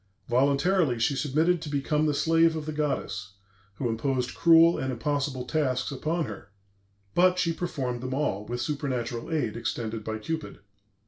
Voluntarily she submitted to become the slave of the goddess, who imposed cruel and impossible tasks upon her, but she performed them all, with supernatural aid extended by Cupid.